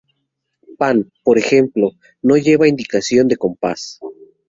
Pan, por ejemplo, no lleva indicación de compás.